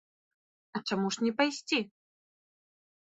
А чаму ж не пайсці?